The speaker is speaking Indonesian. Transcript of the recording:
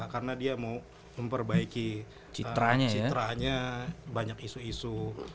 karena dia mau memperbaiki citranya banyak isu isu